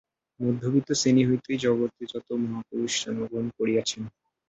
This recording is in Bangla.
মধ্যবিত্ত শ্রেণী হইতেই জগতে যত মহাপুরুষ জন্মগ্রহণ করিয়াছেন।